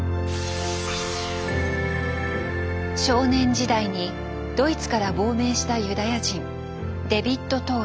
少年時代にドイツから亡命したユダヤ人